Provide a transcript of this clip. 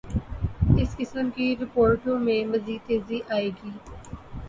اس قسم کی رپورٹوں میںمزید تیزی آئے گی۔